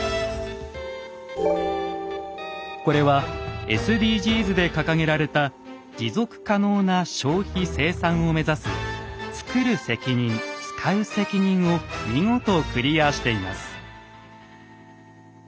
これはＳＤＧｓで掲げられた持続可能な消費・生産を目指す「つくる責任つかう責任」を見事クリアしています。